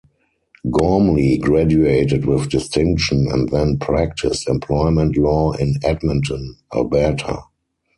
Gormley graduated with distinction, and then practised employment law in Edmonton, Alberta.